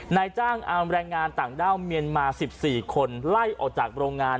นายจ้างเอาแรงงานต่างด้าวเมียนมา๑๔คนไล่ออกจากโรงงาน